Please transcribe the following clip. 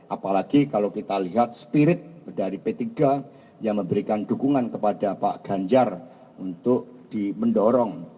apalagi kalau kita lihat spirit dari p tiga yang memberikan dukungan kepada pak ganjar untuk dimendorong